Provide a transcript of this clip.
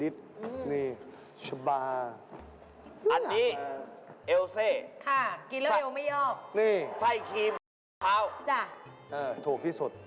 ถูกที่สุด